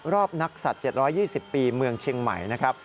๖๐รอบนักศัตริย์๗๒๐ปีเมืองเจียงใหม่นะครับ